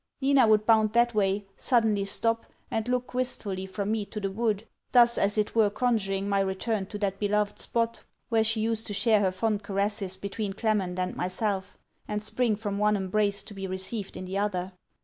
Nina would bound that way, suddenly stop, and look wistfully from me to the wood, thus as it were conjuring my return to that beloved spot where she used to share her fond caresses between Clement and myself, and spring from one embrace to be received in the other.